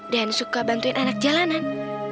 dan suka bantuin anak jalanan